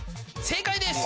正解です。